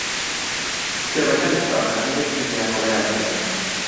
کتێبەکانی قوتابخانە یەک دنیا هەڵەیان تێدایە.